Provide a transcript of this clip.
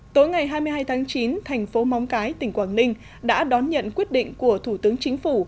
tối ngày hai mươi hai tháng chín thành phố móng cái tỉnh quảng ninh đã đón nhận quyết định của thủ tướng chính phủ